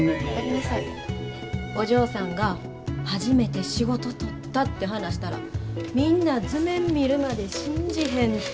お嬢さんが初めて仕事取ったって話したらみんな図面見るまで信じへんて！